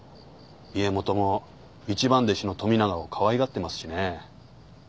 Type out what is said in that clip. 家元も一番弟子の富永をかわいがっていますしね。